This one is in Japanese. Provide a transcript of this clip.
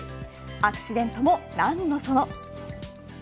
アクシデントもなんのその。